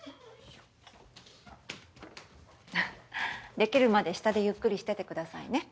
出来るまで下でゆっくりしててくださいね。